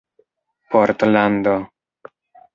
portlando